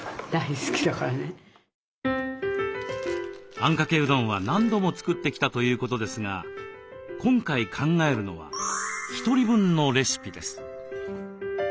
あんかけうどんは何度も作ってきたということですが今回考えるのはひとり分のレシピです。